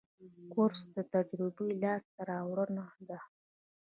کورس د تجربې لاسته راوړنه ده.